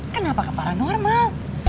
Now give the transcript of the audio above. kenapa ke paranormal